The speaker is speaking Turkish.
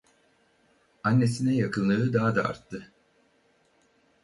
Annesine yakınlığı daha da arttı.